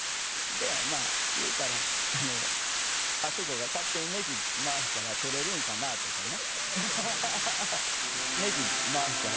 でまあ言うたらあのアソコが勝手にネジまわしたら取れるんかなぁとかね。